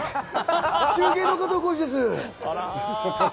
中継の加藤浩次です！